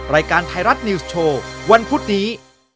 รายการไทยรัฐนิวส์โชว์วันพุธนี้